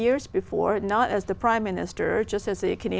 rằng có nhiều cơ sở